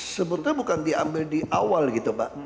sebetulnya bukan diambil di awal gitu pak